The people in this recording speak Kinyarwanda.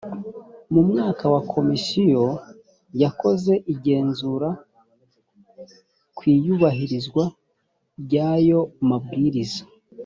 mu mwaka wa komisiyo yakoze igenzura ku iyubahirizwa ry ayo mabwiriza